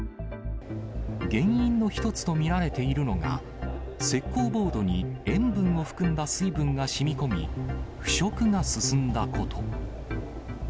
原因の一つと見られているのが、石こうボードに塩分を含んだ水分がしみこみ、腐食が進んだこと。